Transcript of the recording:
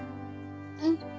うん。